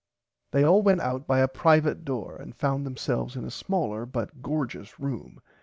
They all went out by a private door and found themselves in a smaller but gorgous room.